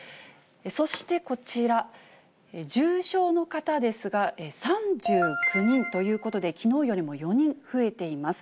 そしてこちら、重症の方ですが、３９人ということで、きのうよりも４人増えています。